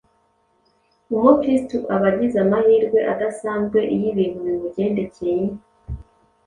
Umukristo aba agize amahirwe adasanzwe iyo ibintu bimugendekeye